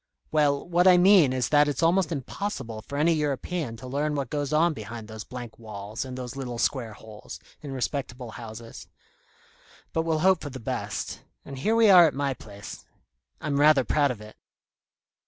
"Well, what I mean is that it's almost impossible for any European to learn what goes on behind those blank walls and those little square holes, in respectable houses. But we'll hope for the best. And here we are at my place. I'm rather proud of it."